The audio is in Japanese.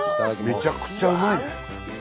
めちゃくちゃうまいね。